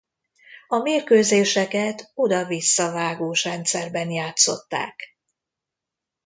A mérkőzéseket oda-visszavágós rendszerben játszották.